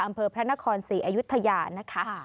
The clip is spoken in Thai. อำเภอพระนคร๔อายุทยานะคะ